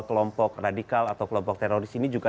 kelompok radikal atau kelompok teroris ini juga